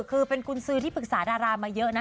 คือเป็นกุญสือที่ปรึกษาดารามาเยอะนะ